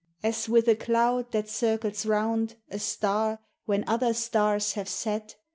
As with a cloud, that circles round A star, when other stars have set.